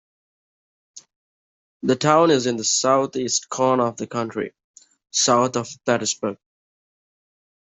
The town is in the southeast corner of the county, south of Plattsburgh.